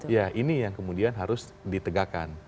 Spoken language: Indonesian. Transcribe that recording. ya ini yang kemudian harus ditegakkan